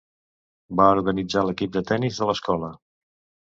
Va organitzar l'equip de tennis de l'escola.